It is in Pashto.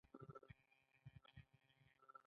کاغذي پیسې په اصل کې د سرو زرو استازي دي